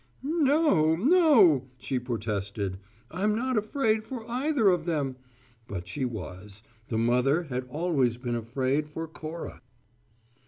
"No, no," she protested. "I'm not afraid for either of them." But she was: the mother had always been afraid for Cora.